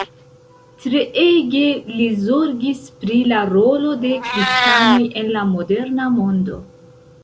Treege li zorgis pri la rolo de kristanoj en la moderna mondo.